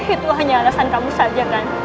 itu hanya alasan kamu saja kan